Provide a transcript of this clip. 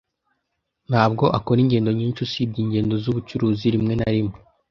Ntabwo akora ingendo nyinshi usibye ingendo zubucuruzi rimwe na rimwe.